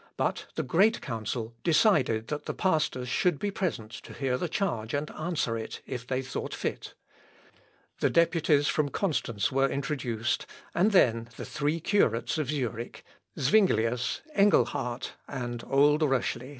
but the Great Council decided that the pastors should be present to hear the charge, and answer it, if they thought fit. The deputies from Constance were introduced, and then the three curates of Zurich, Zuinglius, Engelhard, and old Röschli.